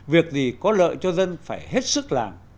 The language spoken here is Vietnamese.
việc gì có lợi cho dân phải hết sức làm